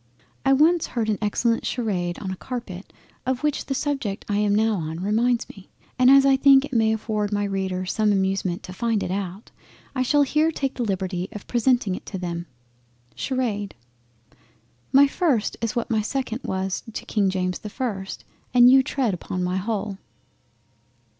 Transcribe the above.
I once heard an excellent Sharade on a Carpet, of which the subject I am now on reminds me, and as I think it may afford my Readers some amusement to find it out, I shall here take the liberty of presenting it to them. SHARADE My first is what my second was to King James the 1st, and you tread on my whole.